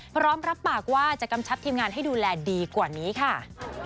พร้อมรับปากว่าจะกำชับทีมงานให้ดูแลดีกว่านี้ค่ะ